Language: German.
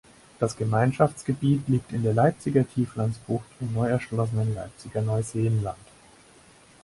Das Gemeinschaftsgebiet liegt in der Leipziger Tieflandsbucht im neu erschlossenen Leipziger Neuseenland.